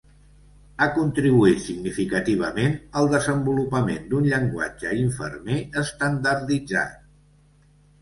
Ha contribuït significativament al desenvolupament d'un llenguatge infermer estandarditzat.